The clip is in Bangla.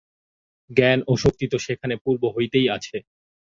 জ্ঞান ও শক্তি তো সেখানে পূর্ব হইতেই আছে।